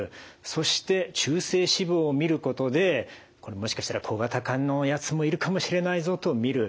そして中性脂肪を見ることでこれもしかしたら小型化のやつもいるかもしれないぞと見る。